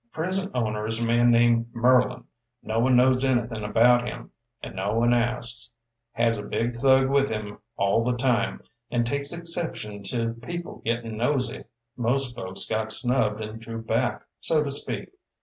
"Present owner is a man named Merlin. No one knows anythin' about him, and no one asks. Has a big thug with him all the time, and takes exception to people gettin' nosy. Most folks got snubbed and drew back, so to speak.